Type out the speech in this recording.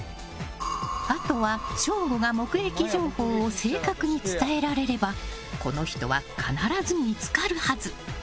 あとは、省吾が目撃情報を正確に伝えられればこの人は必ず見つかるはず。